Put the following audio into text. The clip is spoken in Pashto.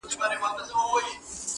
ولاړل د فتح سره برېتونه د شپېلیو-